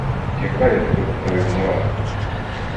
Яка, я тебе питаю, мораль?